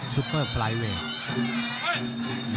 ซุปเปอร์ไฟล์เวท